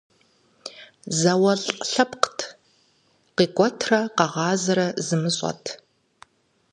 ЗауэлӀ лъэпкът, къикӀуэтрэ къэгъазэрэ зымыщӀэт.